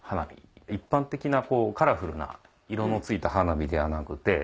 一般的なカラフルな色の付いた花火ではなくて。